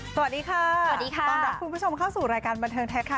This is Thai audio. สวัสดีค่ะสวัสดีค่ะต้อนรับคุณผู้ชมเข้าสู่รายการบันเทิงไทยรัฐค่ะ